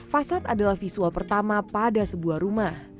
fasad adalah visual pertama pada sebuah rumah